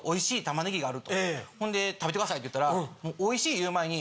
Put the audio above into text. がある食べてくださいって言ったらおいしい言う前に。